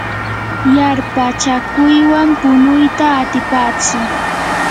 yarpachakuywan punuyta atipatsu.